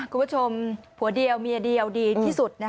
คุณผู้ชมผัวเดียวเมียเดียวดีที่สุด